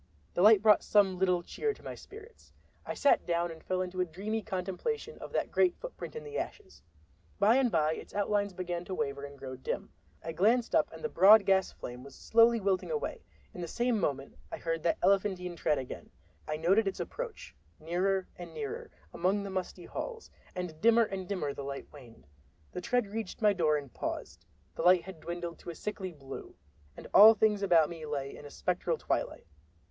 The light brought some little cheer to my spirits. I sat down and fell into a dreamy contemplation of that great footprint in the ashes. By and by its outlines began to waver and grow dim. I glanced up and the broad gas flame was slowly wilting away. In the same moment I heard that elephantine tread again. I noted its approach, nearer and nearer, along the musty halls, and dimmer and dimmer the light waned. The tread reached my very door and paused—the light had dwindled to a sickly blue, and all things about me lay in a spectral twilight.